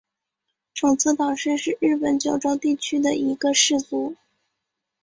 种子岛氏是日本九州地区的一个氏族。